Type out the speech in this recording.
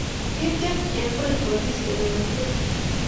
kityekchech ng'weny polisiek eng' iman